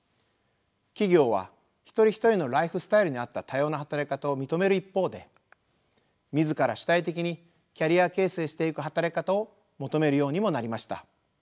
企業は一人一人のライフスタイルに合った多様な働き方を認める一方で自ら主体的にキャリア形成していく働き方を求めるようにもなりました。